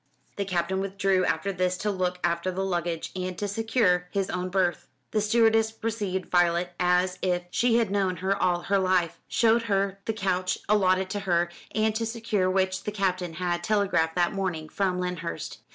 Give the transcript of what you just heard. The Captain withdrew after this to look after the luggage, and to secure his own berth. The stewardess received Violet as if she had known her all her life, showed her the couch allotted to her, and to secure which the Captain had telegraphed that morning from Lyndhurst.